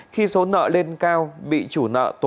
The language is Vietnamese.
khi số nợ lên cao bị trả cho người vay trước